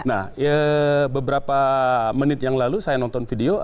nah beberapa menit yang lalu saya nonton video